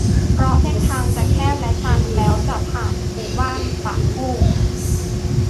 เพราะเส้นทางจะแคบและชัน แล้วจะผ่านหมู่บ้านปางโฮ่ง